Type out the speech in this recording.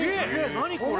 何これ？